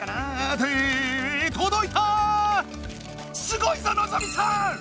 すごいぞのぞみさん！